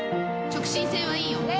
直進性はいいよ。